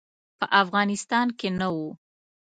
په افغانستان کې نه وو.